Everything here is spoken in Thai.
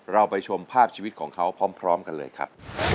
เราไปชมภาพชีวิตของเขาพร้อมกันเลยครับ